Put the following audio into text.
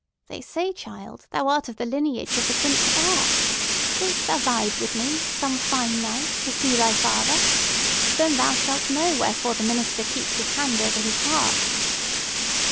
They say, child, thou art of the lineage of the Prince of Air! Wilt thou ride with me some fine night to see thy father? Then thou shalt know wherefore the minister keeps his hand over his heart!"